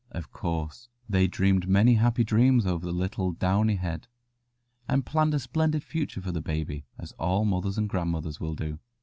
Of course, they dreamed many happy dreams over the little downy head, and planned a splendid future for the baby, as all mothers and grandmothers will do.